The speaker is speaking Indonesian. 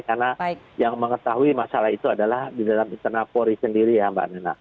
karena yang mengetahui masalah itu adalah di dalam internal polri sendiri ya mbak nena